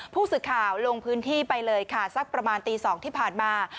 ผู้สื่อข่าวลงพื้นที่ไปเลยค่ะสักประมาณตี๒ที่ผ่านมา